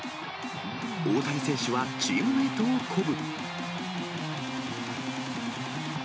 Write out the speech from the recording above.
大谷選手はチームメートを鼓舞。